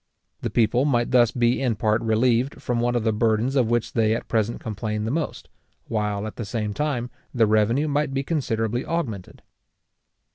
The people might thus be in part relieved from one of the burdens of which they at present complain the most; while, at the same time, the revenue might be considerably augmented.